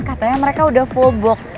katanya mereka udah full box